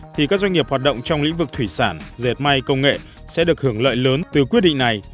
thì các doanh nghiệp hoạt động trong lĩnh vực thủy sản dệt may công nghệ sẽ được hưởng lợi lớn từ quyết định này